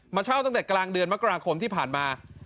เช่าตั้งแต่กลางเดือนมกราคมที่ผ่านมา